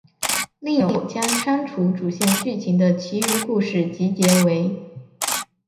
另有将删除主线剧情的其余故事集结为。